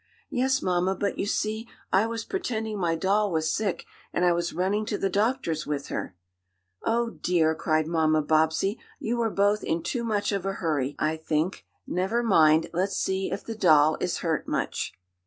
"Yes, mamma, but, you see, I was pretending my doll was sick, and I was running to the doctor's with her." "Oh, dear!" cried Mamma Bobbsey. "You were both in too much of a hurry, I think. Never mind. Let's see if the doll is hurt, much."